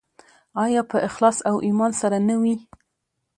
آیا په اخلاص او ایمان سره نه وي؟